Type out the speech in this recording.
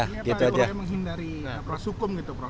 maksudnya para orang yang menghindari aparat hukum gitu